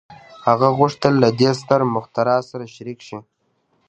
هغه غوښتل له دې ستر مخترع سره شريک شي.